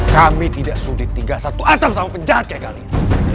kami tidak sudi tinggal satu atap sama penjahat kayak kalian